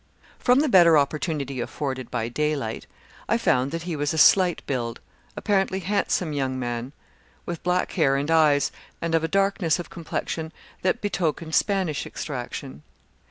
"From the better opportunity afforded by daylight, I found that he was a slight build, apparently handsome young man, with black hair and eyes, and of a darkness of complexion that betokened Spanish extraction.